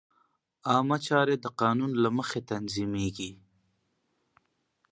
عامه چارې د قانون له مخې تنظیمېږي.